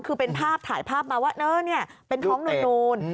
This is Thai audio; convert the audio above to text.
คือเป็นภาพถ่ายภาพมาว่านี่เป็นท้องนูน